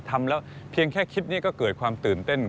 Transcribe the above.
ทำแล้วเพียงแค่คลิปนี้ก็เกิดความตื่นเต้น